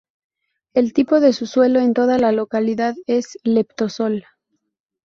El tipo de suelo en toda la localidad es leptosol.